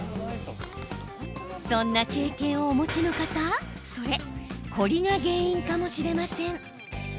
そんな経験をお持ちの方それ、凝りが原因かもしれません。